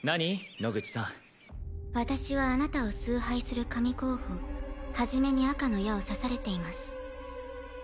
野口さん私はあなたを崇拝する神候補一に赤の矢を刺されています